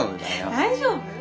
大丈夫？